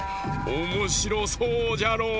おもしろそうじゃろう？